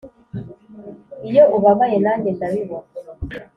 Iyo ubabaye nanjye ndabibona